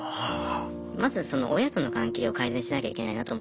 まずその親との関係を改善しなきゃいけないなと。